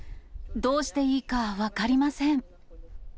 どうしていいか分かりません。